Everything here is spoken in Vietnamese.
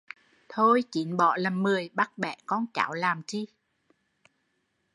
Thôi chín bỏ làm mười, bắt bẻ con cháu làm chi